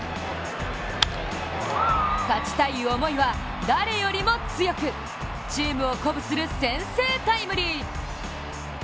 勝ちたい思いは誰よりも強く、チームを鼓舞する先制タイムリー。